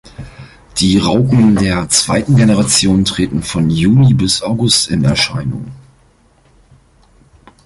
Die Raupen der zweiten Generation treten von Juli bis August in Erscheinung.